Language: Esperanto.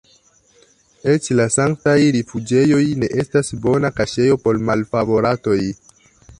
Eĉ la sanktaj rifuĝejoj ne estas bona kaŝejo por malfavoratoj!